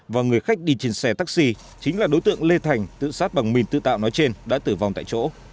và người khách đi trên xe taxi chính là đối tượng lê thành tự sát bằng mìn tự tạo nói trên đã tử vong tại chỗ